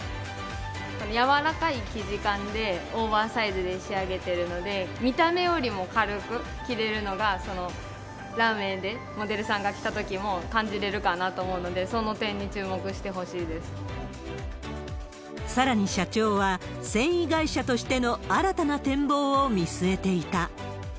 柔らかい生地感で、オーバーサイズで仕上げてるので、見た目よりも軽く着れるのが、ランウエーでモデルさんが着たときも感じれるかなと思うので、そさらに社長は、繊維会社としての新たな展望を見据えていた。